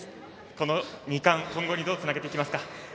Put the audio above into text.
この２冠今後にどうつなげていきますか？